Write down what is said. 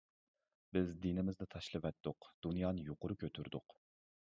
بىز دىنىمىزنى تاشلىۋەتتۇق، دۇنيانى يۇقىرى كۆتۈردۇق.